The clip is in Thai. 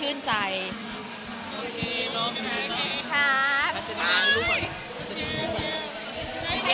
มีใครปิดปาก